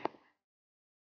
kenapa kemarin aku gak salah dengar